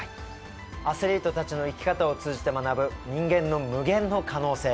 アスリートたちの生き方を通じて学ぶ人間の無限の可能性。